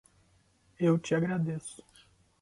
Eu te agradeço.